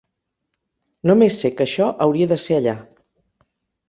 Només sé que això hauria de ser allà.